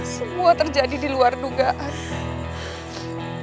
semua terjadi di luar dugaan